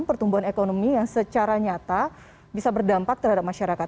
pertumbuhan ekonomi yang secara nyata bisa berdampak terhadap masyarakat